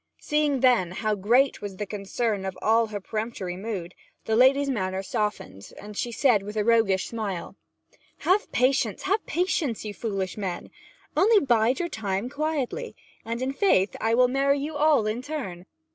Seeing, then, how great was the concern of all at her peremptory mood, the lady's manner softened, and she said with a roguish smile 'Have patience, have patience, you foolish men! Only bide your time quietly, and, in faith, I will marry you all in turn!'